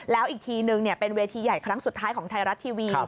แล้วอีกทีนึงเป็นเวทีใหญ่ครั้งสุดท้ายของไทยรัฐทีวี